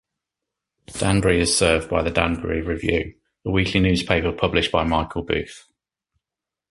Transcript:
Danbury is served by "The Danbury Review", a weekly newspaper published by Michael Buth.